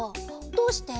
どうして？